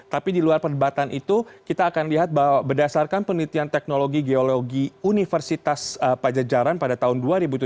tapi di luar perdebatan itu kita akan lihat bahwa berdasarkan penelitian teknologi geologi universitas pajajaran pada tahun dua ribu tujuh belas